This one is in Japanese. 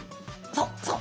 そうそう。